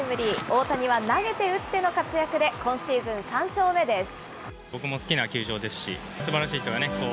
大谷は投げて打っての活躍で、今シーズン３勝目です。